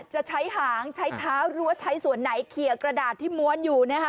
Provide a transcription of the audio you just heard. จะใช้หางใช้เท้าหรือว่าใช้ส่วนไหนเคลียร์กระดาษที่ม้วนอยู่นะคะ